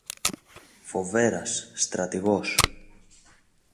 Φοβέρας, στρατηγός